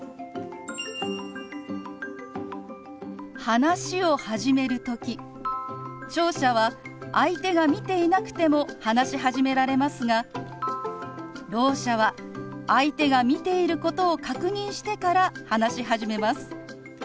話を始める時聴者は相手が見ていなくても話し始められますがろう者は相手が見ていることを確認してから話し始めます。